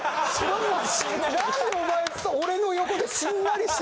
何でお前俺の横でしんなりして。